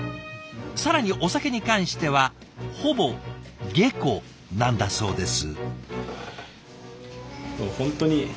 更にお酒に関してはほぼ下戸なんだそうです。